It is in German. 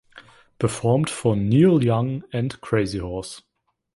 Performt von Neil Young and Crazy Horse.